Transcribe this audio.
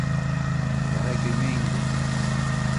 — Ярай көймә инде.